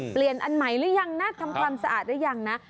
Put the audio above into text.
อันใหม่หรือยังนะทำความสะอาดหรือยังนะ